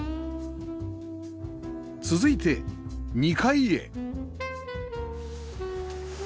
続いて２階へ